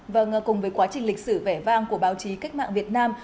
vâng cùng với quá trình lịch sử vẻ vang của báo chí cách mạng việt nam